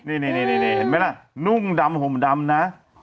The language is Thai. นี่เห็นไหมล่ะนุ่งดำห่มดำนะ